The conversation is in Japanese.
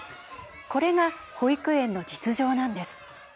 これが保育園の実情なんです。